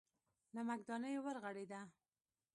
نمکدانۍ ورغړېده.